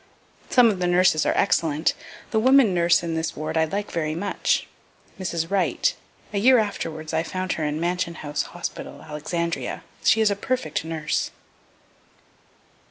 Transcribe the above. Some of the nurses are excellent. The woman nurse in this ward I like very much. (Mrs. Wright a year afterwards I found her in Mansion house hospital, Alexandria she is a perfect nurse.)